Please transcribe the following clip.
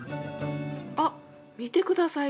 あっ、見てください。